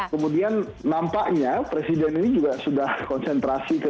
kemudian nampaknya presiden ini juga sudah konsentrasi ke dua ribu sembilan belas